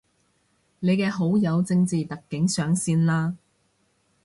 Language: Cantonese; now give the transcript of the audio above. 你嘅好友正字特警上線喇